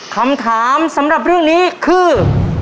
คำถามสำหรับเรื่องนี้คือ